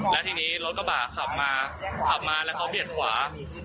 และที่นี้รถก็บากขับมาแล้วเขาเบียดขวา